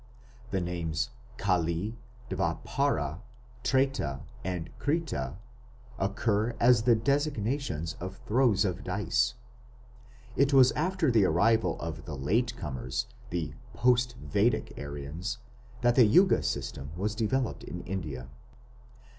The names "Kali", "Dvapara", "Treta", and "Krita" "occur as the designations of throws of dice". It was after the arrival of the "late comers", the post Vedic Aryans, that the Yuga system was developed in India.